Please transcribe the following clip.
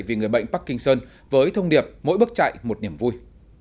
vì người bệnh parkinson với thông điệp mỗi bước chạy một niềm vui